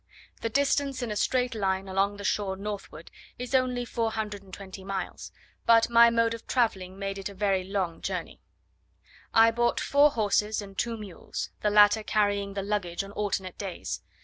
The distance in a straight line along the shore northward is only 420 miles; but my mode of travelling made it a very long journey. I bought four horses and two mules, the latter carrying the luggage on alternate days.